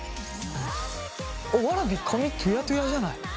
わらび髪トゥヤトゥヤじゃない？